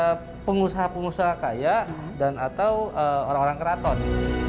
bahkan nabung itu hanya para pengusaha pengusaha kaya atau orang orang keraton